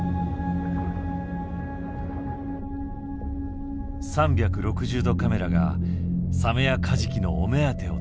３６０度カメラがサメやカジキのお目当てを捉えた。